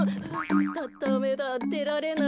ダダメだでられない。